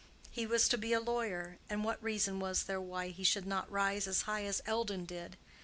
He was to be a lawyer, and what reason was there why he should not rise as high as Eldon did?